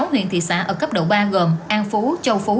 sáu huyện thị xã ở cấp độ ba gồm an phú châu phú